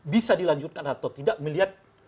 bisa dilanjutkan atau tidak melihat